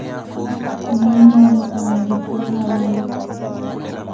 Mwinyi mmote na vitthu zawe.